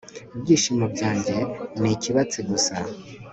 Ibyishimo byanjye ni ikibatsi gusa